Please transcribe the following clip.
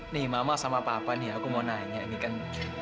nih mama sama papa nih aku mau nanya nih kan